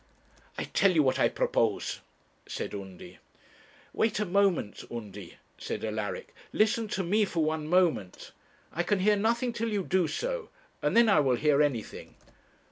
'I tell you what I propose,' said Undy. 'Wait a moment, Undy,' said Alaric; 'listen to me for one moment. I can hear nothing till you do so, and then I will hear anything.'